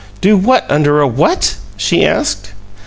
"Do what under a what?" she asked.